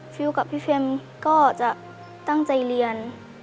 ฟิลกับพี่เฟียมก็จะตั้งใจเรียน